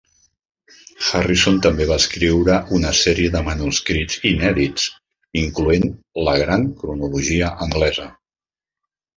Harrison també va escriure una sèrie de manuscrits inèdits, incloent "La Gran Cronologia Anglesa".